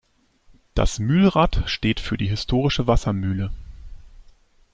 Das Mühlrad steht für die historische Wassermühle.